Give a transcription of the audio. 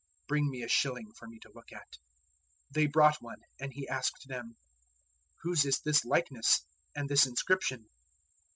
Bring me a shilling for me to look at." 012:016 They brought one; and He asked them, "Whose is this likeness and this inscription?"